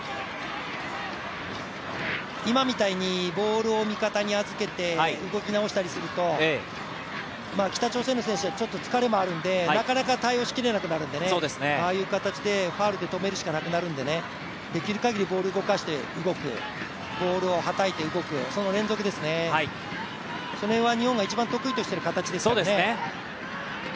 今みたいにボールを味方に預けて、動き直したりすると、北朝鮮の選手は疲れもあるのでなかなか対応しきれなくなるのでああいう形でファウルで止めるしかなくなるのでできる限りボール動かして動く、ボールをはたいて動く、その連続ですね、その辺は日本が一番得意としている形ですからね。